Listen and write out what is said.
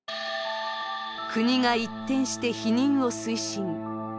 国が一転して避妊を推進。